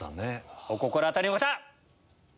お心当たりの方！